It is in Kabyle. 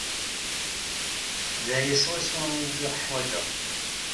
D aya swaswa ay lliɣ ḥwajeɣ-t.